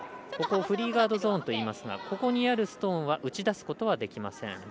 ここをフリーガードゾーンといいますがここにあるストーンは打ち出すことはできません。